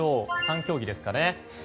３競技ですかね。